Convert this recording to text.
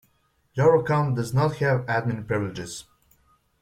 Your account does not have admin privileges.